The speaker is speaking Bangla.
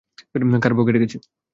কার পকেটে গেছে?